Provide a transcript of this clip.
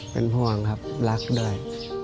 เป็นห่วงครับรักด้วย